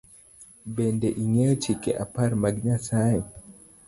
Bende ing’eyo chike apar mar Nyasaye?